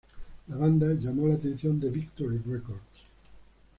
La banda llamó la atención de Victory Records.